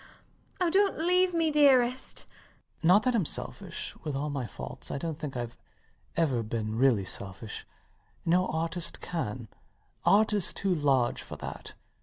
Oh, dont leave me, dearest. LOUIS. Not that I'm selfish. With all my faults I dont think Ive ever been really selfish. No artist can: Art is too large for that.